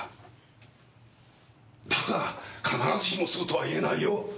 だが必ずしもそうとは言えないよ。